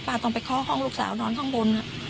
ป้าต้องไปเคราะห์ห้องลูกสาวนอนข้างบนน่ะ